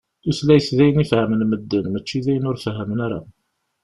Tutlayt d ayen i fehhmen medden, mačči d ayen ur fehhmen ara.